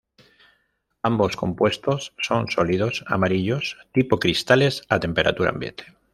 Ambos compuestos son sólidos amarillos tipo cristales a temperatura ambiente.